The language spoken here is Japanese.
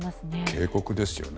警告ですよね。